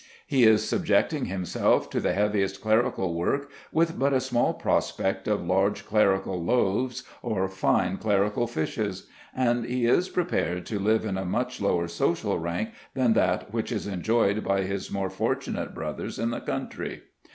He is subjecting himself to the heaviest clerical work with but a small prospect of large clerical loaves or fine clerical fishes; and he is prepared to live in a much lower social rank than that which is enjoyed by his more fortunate brothers in the country.